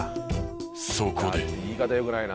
そこで。